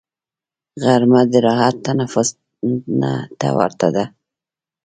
غرمه د راحت تنفس ته ورته ده